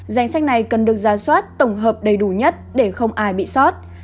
danh sách này cần được giá soát tổng hợp đầy đủ nhất để không ai bị soát